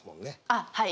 あっはい。